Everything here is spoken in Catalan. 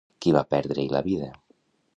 Qui va perdre-hi la vida?